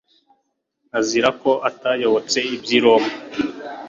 azira ko atayobotse iby' i roma